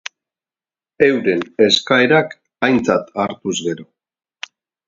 Euren eskaerak aintzat hartuz gero.